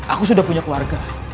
aku sudah punya keluarga